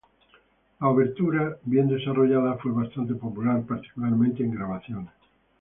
La obertura bien desarrollada fue bastante popular, particularmente en grabaciones.